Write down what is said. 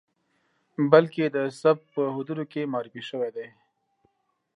بلکې د سبک په حدودو کې معرفي شوی دی.